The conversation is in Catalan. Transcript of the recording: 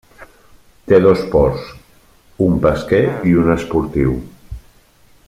Té dos ports: un pesquer i un esportiu.